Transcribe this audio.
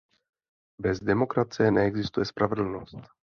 Bez demokracie neexistuje spravedlnost.